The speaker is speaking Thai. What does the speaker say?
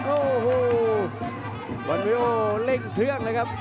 โอ้โหวัดเมโยเล่นเทืองเลยครับ